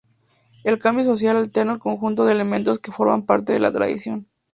El cambio social altera el conjunto de elementos que forman parte de la tradición.